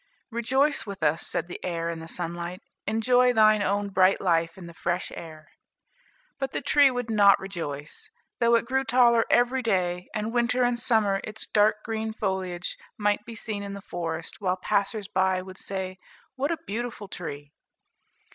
"Rejoice with us," said the air and the sunlight. "Enjoy thine own bright life in the fresh air." But the tree would not rejoice, though it grew taller every day; and, winter and summer, its dark green foliage might be seen in the forest, while passers by would say, "What a beautiful tree!"